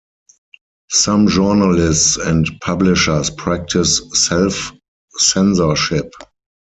Some journalists and publishers practice self-censorship.